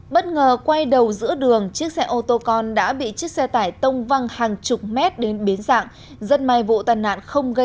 bất ngờ quay đầu giữa đường chiếc xe ô tô con đã bị chiếc xe tải tông văng hàng chục mét đến biến dạng